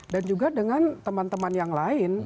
dan juga dengan teman teman yang lain